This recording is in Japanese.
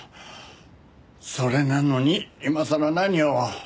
それなのに今さら何を？